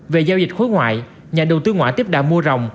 về giao dịch khối ngoại nhà đầu tư ngoại tiếp đà mua rồng